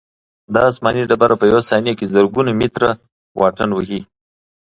دا آسماني ډبره په یوه ثانیه کې زرګونه متره واټن وهي.